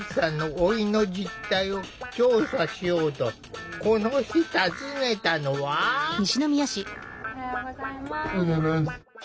おはようございます。